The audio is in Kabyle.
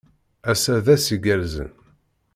Ass-a d ass igerrzen.